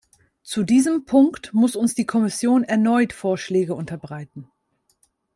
Zu diesem Punkt muss uns die Kommission erneut Vorschläge unterbreiten.